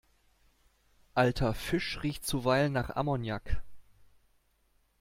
Alter Fisch riecht zuweilen nach Ammoniak.